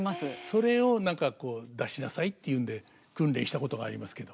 それを出しなさいっていうんで訓練したことがありますけど。